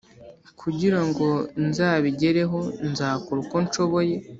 kugira ngo nzabigereho nzakora uko nshoboye.